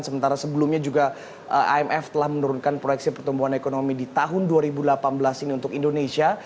sementara sebelumnya juga imf telah menurunkan proyeksi pertumbuhan ekonomi di tahun dua ribu delapan belas ini untuk indonesia